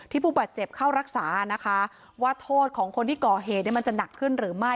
ผู้บาดเจ็บเข้ารักษานะคะว่าโทษของคนที่ก่อเหตุมันจะหนักขึ้นหรือไม่